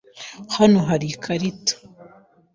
Hano hari ikarita.